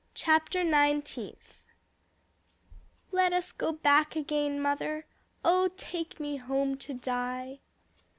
CHAPTER NINETEENTH. "Let us go back again mother, Oh, take me home to die."